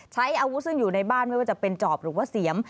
ใช้อาวุธซึ่งอยู่ในบ้านไม่ว่าจะเป็นจอบหรือว่าเสียม